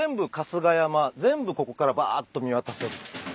全部ここからばっと見渡せる。